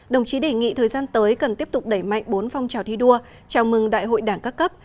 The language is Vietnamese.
đồng chí đề nghị thời gian tới cần tiếp tục đẩy mạnh bốn phong trào thi đua chào mừng đại hội đảng các cấp